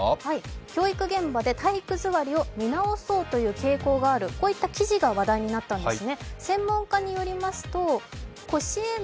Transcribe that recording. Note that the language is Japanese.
教育現場で体育座りを見直そうという傾向がある、こういった記事が話題になったんですね。